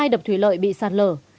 hai đập thủy lợi bị sạt lở